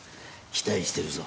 期待してるぞ。